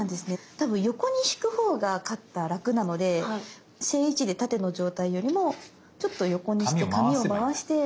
たぶん横に引くほうがカッター楽なので正位置で縦の状態よりもちょっと横にして紙を回して。